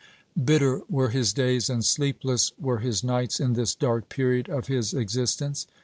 Bitter were his days and sleepless were his nights in this dark period of his existence.